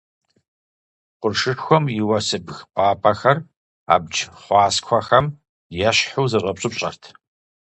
Къуршышхуэм и уэсыбг къуапэхэр, абдж хъуаскуэхэм ещхьу, зэщӀэпщӀыпщӀэрт.